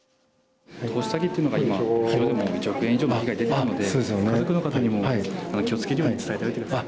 特殊詐欺というのが、今１億円以上の被害が出ているので家族の方にも気を付けるように伝えてあげてください。